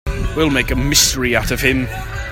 We'll make a mystery out of him.